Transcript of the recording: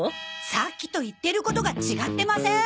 さっきと言ってることが違ってません？